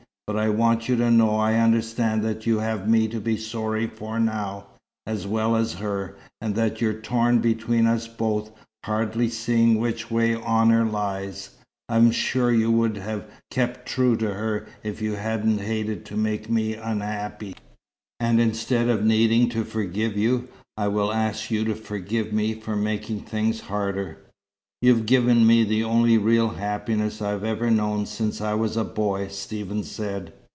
But I want you to know I understand that you have me to be sorry for now, as well as her, and that you're torn between us both, hardly seeing which way honour lies. I'm sure you would have kept true to her, if you hadn't hated to make me unhappy. And instead of needing to forgive you, I will ask you to forgive me, for making things harder." "You've given me the only real happiness I've ever known since I was a boy," Stephen said.